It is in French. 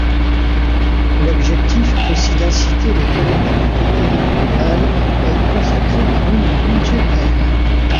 L'objectif est aussi d’inciter les collectivités territoriales à y consacrer des lignes budgétaires.